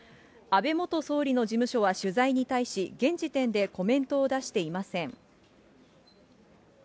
安倍元総理の事務所は取材に対し、現時点でコメントを出していません。